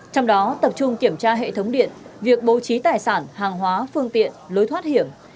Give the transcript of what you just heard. trong đó tập trung kiểm tra hệ thống điện việc bố trí tài sản hàng hóa phương tiện lối thoát hiểm